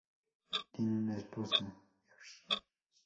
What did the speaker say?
Tiene una esposa, Mrs.